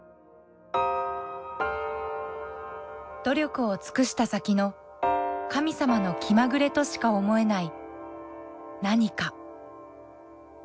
努力を尽くした先の神様の気まぐれとしか思えない何か。